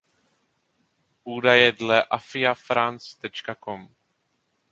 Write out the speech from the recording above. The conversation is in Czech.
Údaje dle "aviafrance.com"